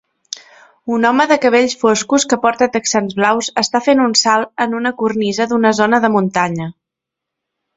Un home de cabells foscos que porta texans blaus està fent un salt en una cornisa d'una zona de muntanya.